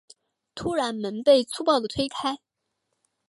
突然门被粗暴的推开